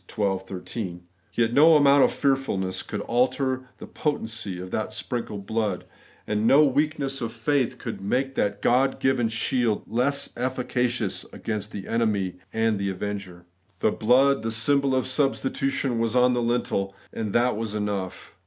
xii. 13); yet no amount of fearfulness could alter the potency of that sprinkled blood, and no weakness of faith could make that God given shield less efficacious against ' the enemy and the avenger.' The blood, — the symbol of substitution, — ^was on the lintel ; and that was enough.